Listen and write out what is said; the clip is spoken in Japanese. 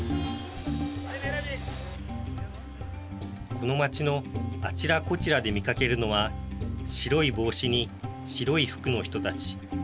この町のあちらこちらで見かけるのは白い帽子に白い服の人たち。